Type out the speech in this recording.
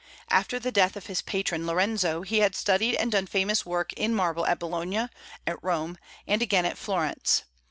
After the death of his patron Lorenzo, he had studied and done famous work in marble at Bologna, at Rome, and again at Florence.